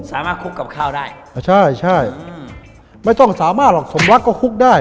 สามารถคุกกับข้าวได้อ่ะใช่ใช่ไม่ต้องสามารถหรอกสมวักก็คุกได้